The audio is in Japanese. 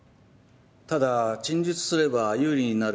ただ陳述すれば有利になる